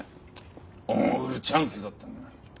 恩を売るチャンスだったのに。